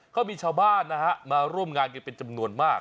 เขามีชาวบ้านนะฮะมาร่วมงานกันเป็นจำนวนมาก